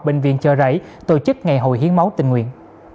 bệnh viện chợ rẫy tổ chức ngày hội hiến máu tình nguyện